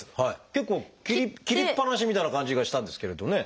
結構切りっぱなしみたいな感じがしたんですけれどね。